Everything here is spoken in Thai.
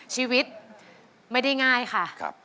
ชีวิตไม่ได้ง่ายค่ะ